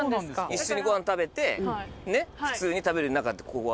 一緒にご飯食べてねっ普通に食べる仲ってここは。